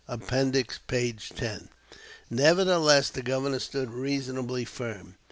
Appendix, p. 10.] Nevertheless, the Governor stood reasonably firm.